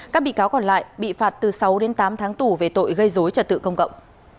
các bị cáo còn lại bị phạt từ sáu đến tám tháng tù về tội gây dối trật tự công cộng